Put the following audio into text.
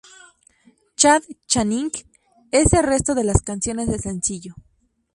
Chad Channing en el resto de las canciones del sencillo.